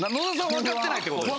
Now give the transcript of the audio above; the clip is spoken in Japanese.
わかってないってことですね。